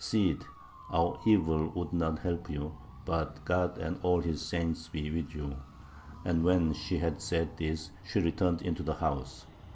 Cid, our evil would not help you, but God and all His saints be with you. And when she had said this she returned into the house.